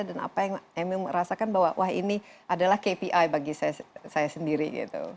dan apa yang emil merasakan bahwa wah ini adalah kpi bagi saya sendiri gitu